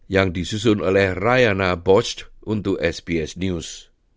yang disusun oleh rayana bost untuk sbs news